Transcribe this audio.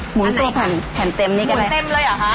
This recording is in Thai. หมุนตัวแผ่นเต็มนี้กันแหละ